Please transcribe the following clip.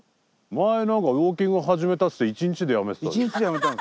前何かウォーキング始めたっつって１日でやめてたじゃん。